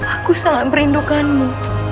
aku sangat merindukanmu